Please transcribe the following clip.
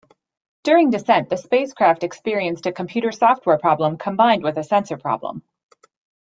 During descent, the spacecraft experienced a computer software problem combined with a sensor problem.